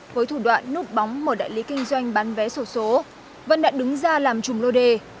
với thủ đoạn núp bóng một đại lý kinh doanh bán vé sổ số vân đã đứng ra làm chùm lô đề